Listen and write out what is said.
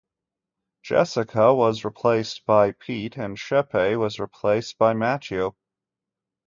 Jessica was replaced by Pete and Chepe was replaced by Mattieu.